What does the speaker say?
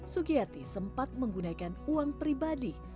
sugiyati sempat menggunakan uang pribadi